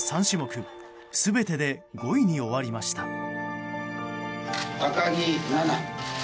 ３種目全てで５位に終わりました。